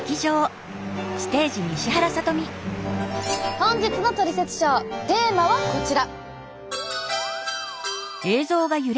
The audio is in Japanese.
本日の「トリセツショー」テーマはこちら！